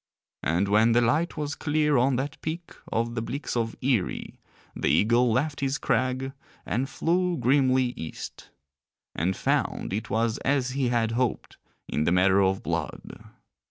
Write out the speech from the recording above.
And when the light was clear on that peak of the Bleaks of Eerie the eagle left his crag and flew grimly East, and found it was as he had hoped in the matter of blood.